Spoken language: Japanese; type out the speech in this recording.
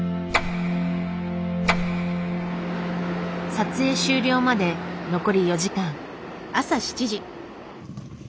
撮影終了まで残り４時間。